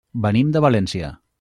Venim de València.